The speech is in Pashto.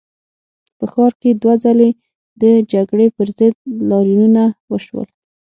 په ښار کې دوه ځلي د جګړې پر ضد لاریونونه وشول.